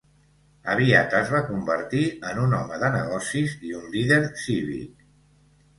Aviat es va convertir en un home de negocis i un líder cívic.